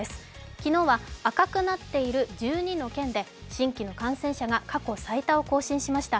昨日は赤くなっている１２の県で新規の感染者が過去最多を更新しました。